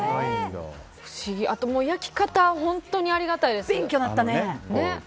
あとは焼き方本当にありがたいです。